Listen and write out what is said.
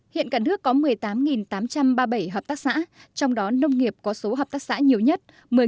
hiện cả nước có một mươi tám tám trăm ba mươi bảy hợp tác xã trong đó nông nghiệp có số hợp tác xã nhiều nhất